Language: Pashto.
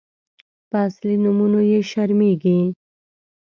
_په اصلي نومونو يې شرمېږي.